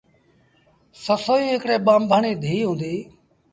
سسئيٚ هڪڙي ٻآنڀڻ ريٚ ڌيٚ هُݩديٚ۔